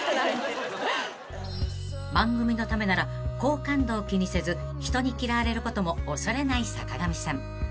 ［番組のためなら好感度を気にせず人に嫌われることも恐れない坂上さん］